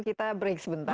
kita break sebentar